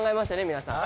皆さん。